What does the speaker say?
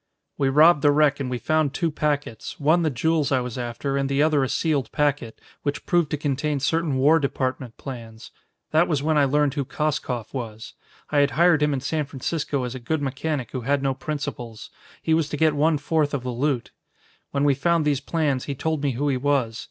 "We robbed the wreck and we found two packets, one the jewels I was after, and the other a sealed packet, which proved to contain certain War Department plans. That was when I learned who Koskoff was. I had hired him in San Francisco as a good mechanic who had no principles. He was to get one fourth of the loot. When we found these plans, he told me who he was.